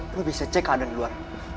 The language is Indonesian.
gue bisa cek keadaan di luar